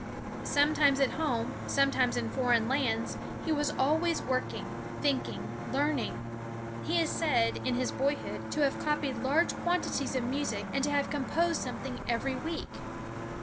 Sometimes at home, sometimes in foreign lands, he was always working, thinking, learning. He is said, in his boyhood, to have copied large quantities of music, and to have composed something every week.